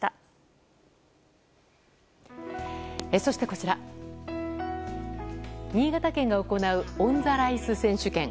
そして新潟県が行うオンザライス選手権。